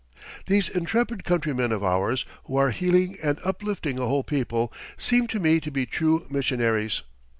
These intrepid countrymen of ours, who are healing and uplifting a whole people, seem to me to be true missionaries.